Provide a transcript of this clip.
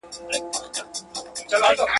له هغې د مځكي مخ ورته سور اور وو.